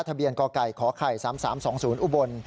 ทะเบียนกไก่ขไข่๓๓๒๐อุบล